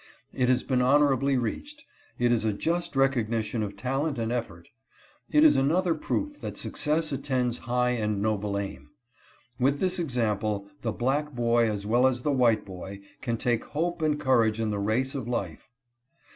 It has been honorably reached ; it is a just recogni tion of talent and effort; it is another proof that success attends high and noble aim. "With this example, the black boy as well as the white boy can take hope and courage in the race of life.